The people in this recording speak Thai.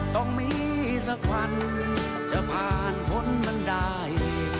ต้องมีสักวันจะผ่านพ้นมันได้